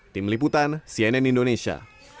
tim liputan cnn indonesia